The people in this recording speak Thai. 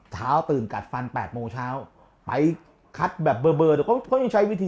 เท้ากัดฟัน๘โมท์เช้าไปคัดแบบเบอร์เบอร์เพราะด้วยใช้วิธี